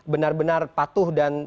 benar benar patuh dan